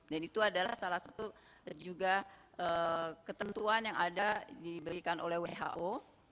dan itu adalah salah satu juga ketentuan yang ada diberikan oleh who